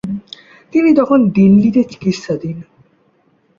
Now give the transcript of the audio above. তিনি তখন দিল্লিতে চিকিৎসাধীন।